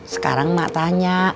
sekarang mak tanya